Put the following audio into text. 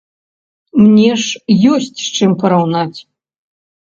Мне ж ёсць з чым параўнаць.